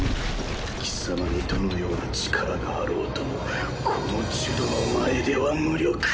貴様にどのような力があろうともこのジュドの前では無力。